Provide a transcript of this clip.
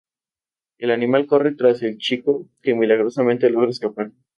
El animal corre tras el chico, que milagrosamente logra escapar.